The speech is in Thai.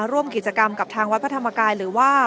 ร่วมกิจกรรมกับทางวัดพระธรรมกายหรือว่า